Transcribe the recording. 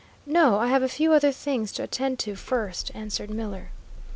"No, I have a few other things to attend to first," answered Miller.